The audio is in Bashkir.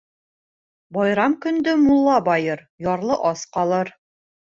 Байрам көндө мулла байыр, ярлы ас ҡалыр.